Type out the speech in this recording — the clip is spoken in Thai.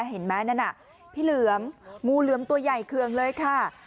เห็นไหมนั่นน่ะพี่เหลือมงูเหลือมตัวใหญ่เคืองเลยค่ะ